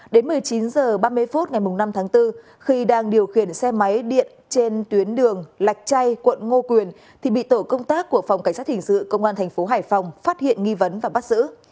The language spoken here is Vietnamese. đến một mươi chín h ba mươi phút ngày năm tháng bốn khi đang điều khiển xe máy điện trên tuyến đường lạch chay quận ngô quyền thì bị tổ công tác của phòng cảnh sát hình sự công an thành phố hải phòng phát hiện nghi vấn và bắt giữ